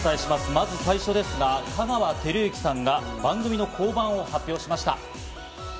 まず最初ですが、香川照之さんが番組の降板を発表しました。